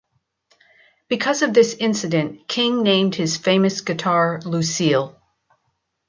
Because of this incident, King named his famous guitar Lucille.